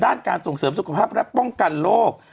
การส่งเสริมสุขภาพและป้องกันโรค